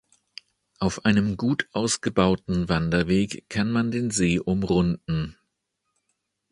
Auf einem gut ausgebauten Wanderweg kann man den See umrunden.